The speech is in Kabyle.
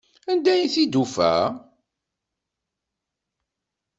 Anda ay t-id-tufa?